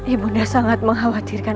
ibu bunda sangat mengkhawatirkan